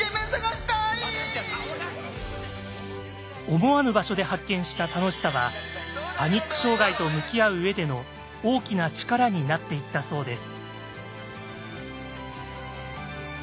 思わぬ場所で発見した楽しさはパニック障害と向き合う上での大きな力になっていったそうです。